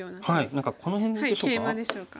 何かこの辺でしょうか？